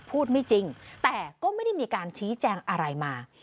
พูดไม่จริงแต่ก็ไม่ได้มีการชี้แจงอะไรมา